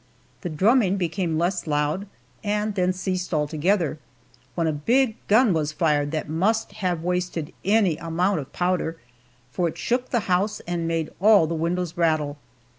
The drumming became less loud, and then ceased altogether, when a big gun was fired that must have wasted any amount of powder, for it shook the house and made all the windows rattle.